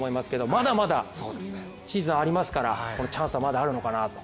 まだまだシーズンありますからチャンスはまだあるのかなと。